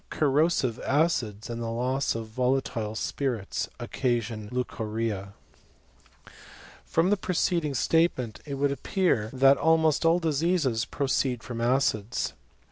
Corrosive acids, and the loss of volatile spirits/ occasion leucorrhoea. 198 KliTOET or CHBKISTKT* From the preceding statement it would appear that almost all diseases proceed from acids.